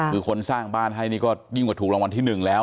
คือคนสร้างบ้านให้นี่ก็ยิ่งกว่าถูกรางวัลที่๑แล้ว